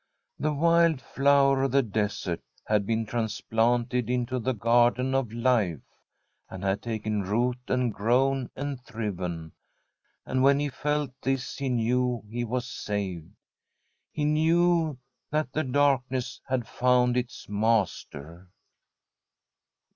The wild flower of the desert had been transplanted into the garden of life, and had taken root and grown and thriven, and when he felt this he knew he was saved ; he knew that the darkness had found its master.